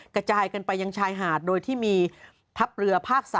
กระจายกันไปยังชายหาดโดยที่มีทัพเรือภาค๓